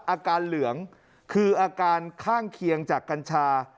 อาการเหลืองคืออาการข้างเคียงจากกัญชา